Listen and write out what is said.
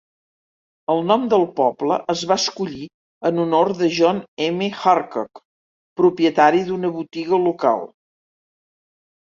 El nom del poble es va escollir en honor de John M. Hurkock, propietari d'una botiga local.